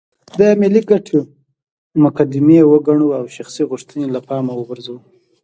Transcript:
د ملي ګټې مقدمې وګڼو او شخصي غوښتنې له پامه وغورځوو.